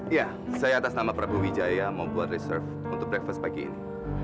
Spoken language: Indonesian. iya saya atas nama prabu wijaya membuat reserve untuk breakfast pagi ini